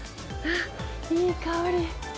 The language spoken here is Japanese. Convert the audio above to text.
いい香り。